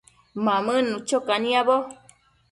Mamënnu cho caniabo